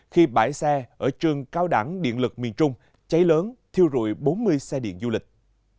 khi bãi xe ở trường cao đẳng điện lực miền trung cháy lớn thiêu rụi bốn mươi xe điện du lịch